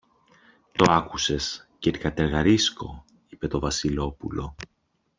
Το άκουσες, κυρ-Κατεργαρίσκο; είπε το Βασιλόπουλο.